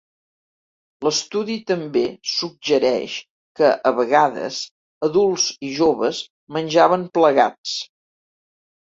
L'estudi també suggereix que, a vegades, adults i joves menjaven plegats.